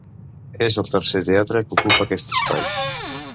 És el tercer teatre que ocupa aquest espai.